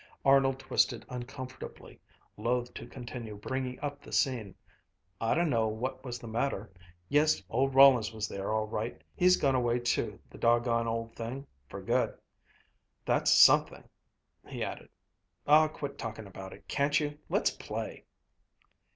Arnold twisted uncomfortably, loath to continue bringing up the scene. "I d'n know what was the matter. Yes, old Rollins was there, all right. He's gone away too, the doggoned old thing for good. That's something!" He added, "Aw, quit talkin' about it, can't you! Let's play!"